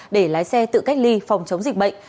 để lái xe tự cách ly phòng chống dịch bệnh